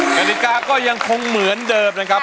นาฬิกาก็ยังคงเหมือนเดิมนะครับ